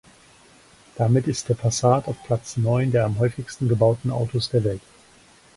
Damit ist der Passat auf Platz neun der am häufigsten gebauten Autos der Welt.